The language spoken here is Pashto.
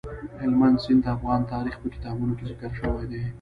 هلمند سیند د افغان تاریخ په کتابونو کې ذکر شوی دي.